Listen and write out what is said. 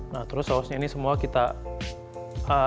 nah terus sausnya ini semua kita aduk aduk